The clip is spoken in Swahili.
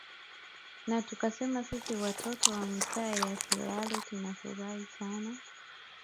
na tukasema sisi watoto wa mtaa ya likale tunafurahi sana